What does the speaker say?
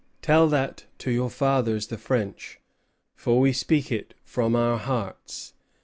Tell that to your fathers the French, for we speak it from our hearts."